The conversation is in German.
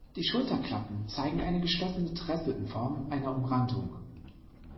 Die Schulterklappen zeigen eine geschlossene Tresse in Form einer Umrandung.